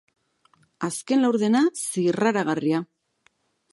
Azken laurdena, zirraragarria.